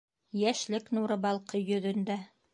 Йәшлек нуры балҡый йөҙөңдә.